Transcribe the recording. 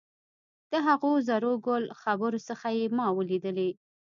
د هغو زرو ګل خبرو څخه چې ما ولیدلې.